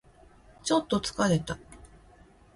ちょっと疲れた